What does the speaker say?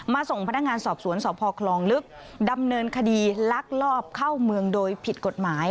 ส่งพนักงานสอบสวนสพคลองลึกดำเนินคดีลักลอบเข้าเมืองโดยผิดกฎหมาย